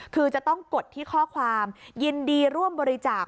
คือจะต้องกดที่ข้อความยินดีร่วมบริจาค